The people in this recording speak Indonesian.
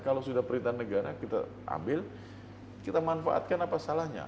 kalau sudah perintah negara kita ambil kita manfaatkan apa salahnya